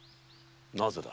なぜだ？